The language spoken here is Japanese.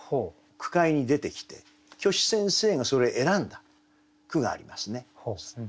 句会に出てきて虚子先生がそれ選んだ句がありますね。